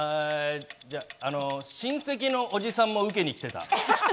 あの、親戚のおじさんも受けに来ていた。